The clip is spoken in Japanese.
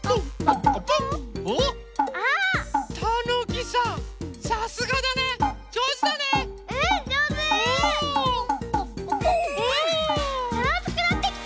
あつくなってきた！